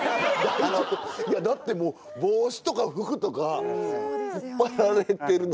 いやだってもう帽子とか服とか引っ張られてるの。